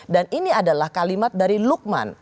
dan ini adalah kalimat dari lukman